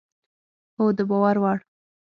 هو، د باور وړ